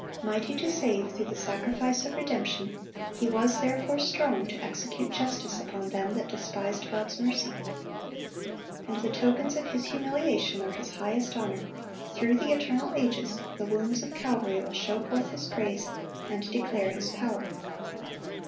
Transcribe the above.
"Mighty to save," through the sacrifice of redemption, He was therefore strong to execute justice upon them that despised God's mercy. And the tokens of His humiliation are His highest honor; through the eternal ages the wounds of Calvary will show forth His praise, and declare His power.